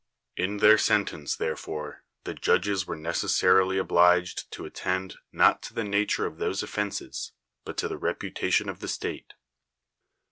In their sen ESCHINES tence. therefore, the judges were necessarily obliged to attend, not to the nature of those offenses, but to the reputation of the state.